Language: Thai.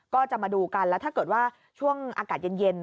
ก็จะมาดูกันแล้วถ้าเกิดว่าช่วงอากาศเย็น